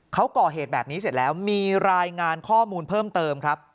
เขาก่อเหตุแบบนี้เสร็จแล้วมีรายงานข้อมูลเพิ่มเติมครับ